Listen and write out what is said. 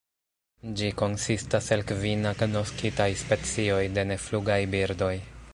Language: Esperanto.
Ĝi konsistas el kvin agnoskitaj specioj de neflugaj birdoj.